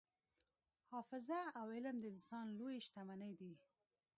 حافظه او علم د انسان لویې شتمنۍ دي.